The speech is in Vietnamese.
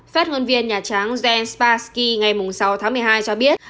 phát ngôn viên nhà tráng jen spassky ngày sáu tháng một mươi hai cho biết